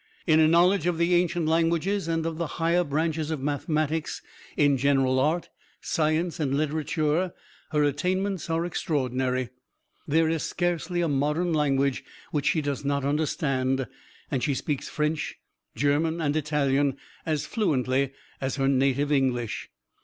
In a knowledge of the ancient languages and of the higher branches of mathematics, in general art, science, and literature, her attainments are extraordinary. There is scarcely a modern language which she does not understand, and she speaks French, German and Italian as fluently as her native English.